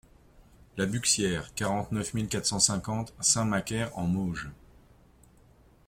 La Buxiere, quarante-neuf mille quatre cent cinquante Saint-Macaire-en-Mauges